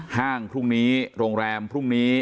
ห้างพรุ่งนี้โรงแรมพรุ่งนี้